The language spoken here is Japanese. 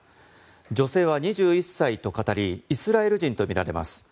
女性は２１歳と語りイスラエル人とみられます。